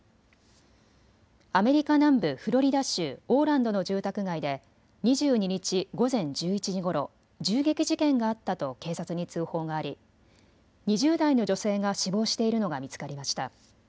アメリカ南部フロリダ州オーランドの住宅街で２２日午前１１時ごろ、銃撃事件があったと警察に通報があり２０代の女性が死亡しているのが見つかりました。